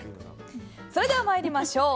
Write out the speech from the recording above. それでは参りましょう。